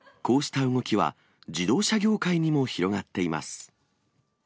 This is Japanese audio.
こうした動きは、自動車業界にも広がっています。